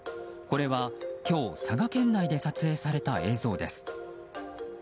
これは今日、佐賀県内で撮影された映像です。